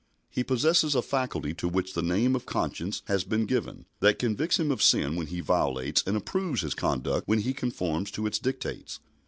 He possesses a faculty to which the name of conscience has been given, that convicts him of sin when he violates, and approves his conduct when he conforms to, its dictates.